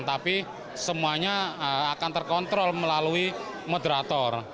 tapi semuanya akan terkontrol melalui moderator